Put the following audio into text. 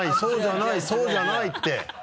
そうじゃないって！